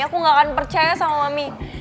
aku gak akan percaya sama mami